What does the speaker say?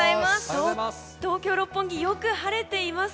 東京・六本木よく晴れています。